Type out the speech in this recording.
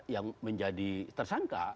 yang menjadi tersangka